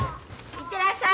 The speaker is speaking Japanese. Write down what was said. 行ってらっしゃい。